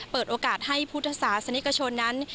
เปิดโอกาสให้พุทธศาสนิกชนนั้น